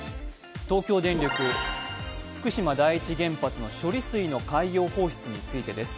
東京電力・福島第一原発の処理水の海洋放出についてです。